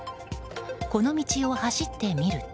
この道を走ってみると。